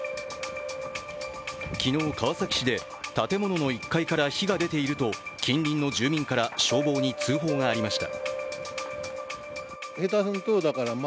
昨日、川崎市で建物の１階から火が出ていると近隣の住民から消防に通報がありました。